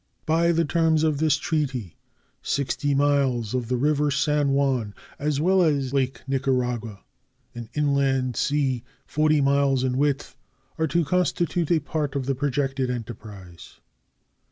By the terms of this treaty 60 miles of the river San Juan, as well as Lake Nicaragua, an inland sea 40 miles in width, are to constitute a part of the projected enterprise.